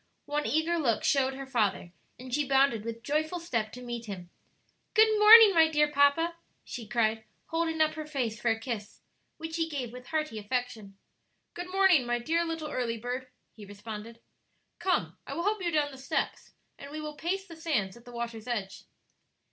One eager look showed her father, and she bounded with joyful step to meet him. "Good morning, my dear papa," she cried, holding up her face for a kiss, which he gave with hearty affection. "Good morning, my dear little early bird," he responded. "Come, I will help you down the steps and we will pace the sands at the water's edge."